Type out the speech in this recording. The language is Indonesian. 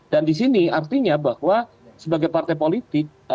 dan di sini artinya bahwa sebagai partai politik